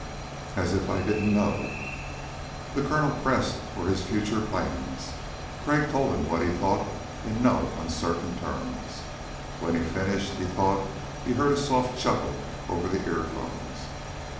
"As if I didn't know." The Colonel pressed for his future plans. Crag told him what he thought in no uncertain terms. When he finished he thought he heard a soft chuckle over the earphones.